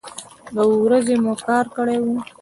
د ورځې مو کار کړی و.